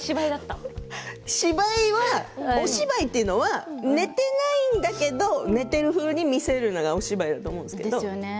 笑い声お芝居というのは寝ていないんだけど寝てるふうに見せるのがお芝居だと思うんですけど。